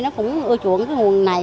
nó cũng ưa chuộng cái nguồn này